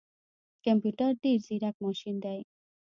کمپيوټر ډیر ځیرک ماشین دی